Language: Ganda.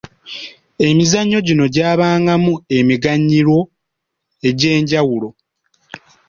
Emizannyo gino gyabangamu emiganyulo egy’enjawulo.